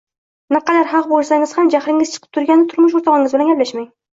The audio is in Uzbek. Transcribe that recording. Naqadar haq bo‘lsangiz ham, jahlingiz chiqib turganida turmush o‘rtog‘ingiz bilan gaplashmang.